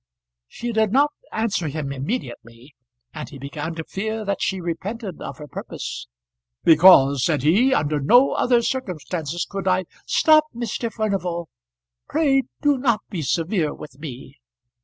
She did not answer him immediately, and he began to fear that she repented of her purpose. "Because," said he, "under no other circumstances could I " "Stop, Mr. Furnival. Pray do not be severe with me."